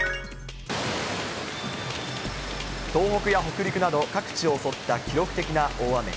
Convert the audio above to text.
東北や北陸など各地を襲った記録的な大雨。